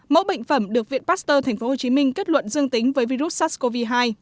mẫu bệnh phẩm được viện pasteur tp hcm kết luận dương tính với virus sars cov hai